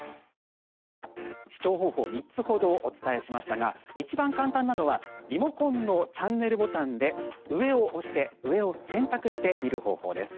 視聴方法を３つほどお伝えしましたがいちばん簡単なのはリモコンのチャンネルボタンで上を押して上を選択して見る方法です。